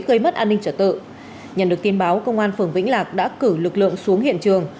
gây mất an ninh trật tự nhận được tin báo công an phường vĩnh lạc đã cử lực lượng xuống hiện trường